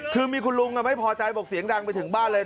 คือมีคุณลุงไม่พอใจบอกเสียงดังไปถึงบ้านเลย